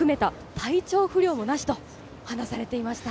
体調不良もなしと話されていました。